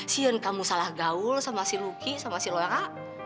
sion kamu salah gaul sama si ruki sama si lora